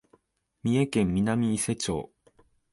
三重県南伊勢町